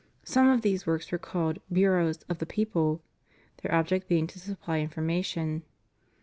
Some of these works were called Bureaus of the People, their object being to supply information.